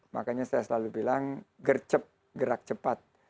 makanya saya selalu bilang gercep gerak cepat